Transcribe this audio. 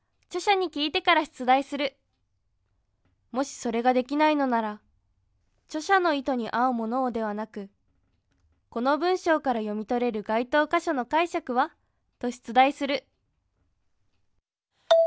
もしそれができないのなら「著者の意図に合うものを」ではなく「この文章から読み取れる該当箇所の解釈は？」と出題する２。